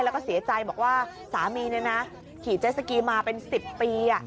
แล้วก็เสียใจบอกว่าสามีเนี่ยนะขี่เจสสกีมาเป็น๑๐ปี